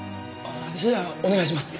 じゃあお願いします。